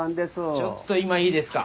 ちょっと今いいですか？